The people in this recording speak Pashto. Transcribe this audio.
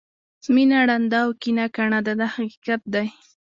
مینه ړانده او کینه کڼه ده دا حقیقت دی.